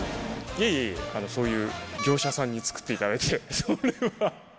いえいえ、そういう業者さんに作っていただいて、それは。